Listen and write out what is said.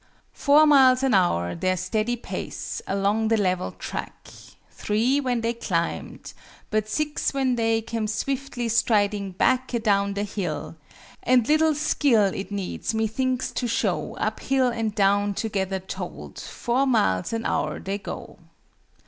Four miles an hour their steady pace Along the level track, Three when they climbed but six when they Came swiftly striding back Adown the hill; and little skill It needs, methinks, to show, Up hill and down together told, Four miles an hour they go.